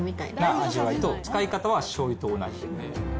味わいと、使い方はしょうゆと同じ。